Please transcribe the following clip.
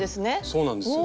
そうなんです。